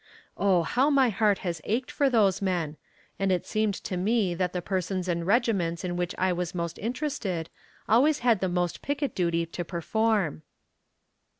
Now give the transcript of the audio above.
Oh, how my heart has ached for those men; and it seemed to me that the persons and regiments in which I was most interested always had the most picket duty to perform.